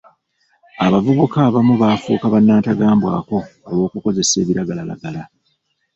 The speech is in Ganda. Abavubuka abamu bafuuka ba nnantagambwako olw'okukozesa ebiragalalagala.